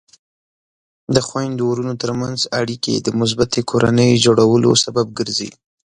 د خویندو ورونو ترمنځ اړیکې د مثبتې کورنۍ جوړولو سبب ګرځي.